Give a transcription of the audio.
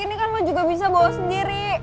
ini kan mau juga bisa bawa sendiri